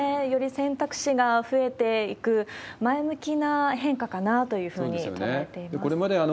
より選択肢が増えていく、前向きな変化かなというふうに捉えています。